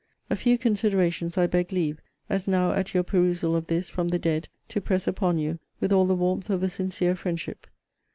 A few considerations I beg leave, as now at your perusal of this, from the dead, to press upon you, with all the warmth of a sincere friendship.